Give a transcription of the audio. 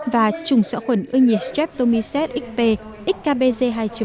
và chủng xạo khuẩn ưa nhiệt streptomyces xp xkbz hai bốn